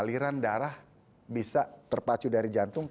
kira kira seperti ini